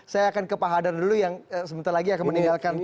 saya akan ke pak hadar dulu yang sebentar lagi akan meninggalkan